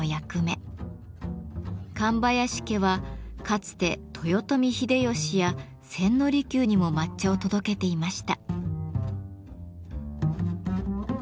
上林家はかつて豊臣秀吉や千利休にも抹茶を届けていました。